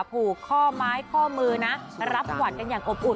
ผูกข้อไม้ข้อมือนะรับหวัดกันอย่างอบอุ่น